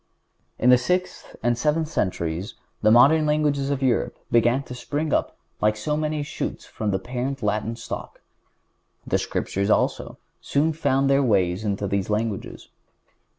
In the sixth and seventh centuries the modern languages of Europe began to spring up like so many shoots from the parent Latin stock. The Scriptures, also, soon found their way into these languages.